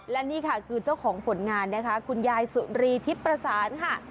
และนี่ค่ะคือเจ้าของผลงานนะคะคุณยายสุรีทิพย์ประสานค่ะ